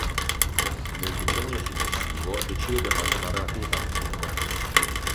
Nel decennio successivo decide di abbandonare l'attività artistica.